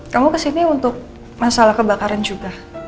kamu ke sini untuk masalah kebakaran juga